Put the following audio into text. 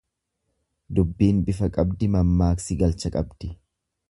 Dubbiin bifa qabdi mammaaksi galcha qabdi.